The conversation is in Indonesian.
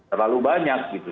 terlalu banyak gitu